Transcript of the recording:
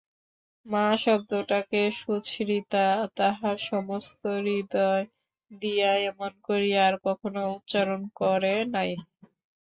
মা শব্দটাকে সুচরিতা তাহার সমস্ত হৃদয় দিয়া এমন করিয়া আর কখনো উচ্চারণ করে নাই।